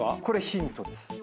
これヒントです。